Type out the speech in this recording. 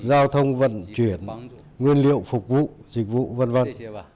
giao thông vận chuyển nguyên liệu phục vụ dịch vụ vân vân